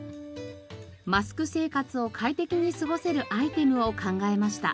マスク生活を快適に過ごせるアイテムを考えました。